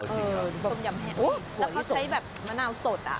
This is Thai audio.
แล้วพอใช้แบบมะนาวสดอะ